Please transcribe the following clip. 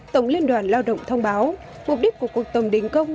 tổng liên đoàn lao động thông báo mục đích của cuộc tổng đình công